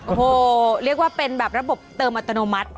โอ้โหเรียกว่าเป็นแบบระบบเติมอัตโนมัติ